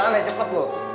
masalahnya cepet bu